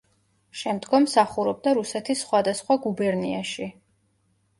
შემდგომ მსახურობდა რუსეთის სხვადასხვა გუბერნიაში.